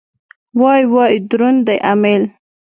وای وای دروند دی امېل.